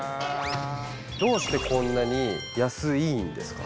どうしてこんなに安イイんですか？